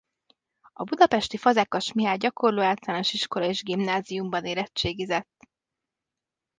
A Budapesti Fazekas Mihály Gyakorló Általános Iskola és Gimnáziumban érettségizett.